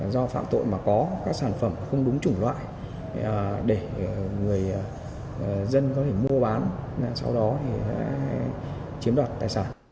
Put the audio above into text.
do phạm tội mà có các sản phẩm không đúng chủng loại để người dân có thể mua bán sau đó thì sẽ chiếm đoạt tài sản